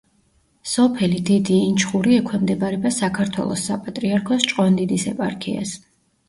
სოფელი დიდი ინჩხური ექვემდებარება საქართველოს საპატრიარქოს ჭყონდიდის ეპარქიას.